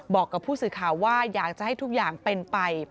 บอกกับผู้สื่อข่าวว่าอยากจะให้ทุกอย่างเป็นไป